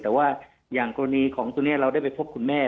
แต่ว่าอย่างกรณีของตัวนี้เราได้ไปพบคุณแม่